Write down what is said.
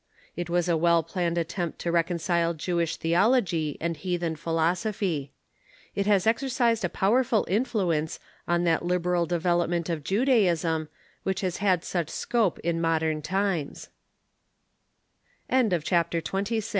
It was a well planned attempt to reconcile Jewish theology and heathen philosophy. It has exercised a powerful influence on that lib eral development of Judaism which has had such scope in mod ern tim